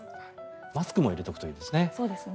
マスクも入れておくといいですね。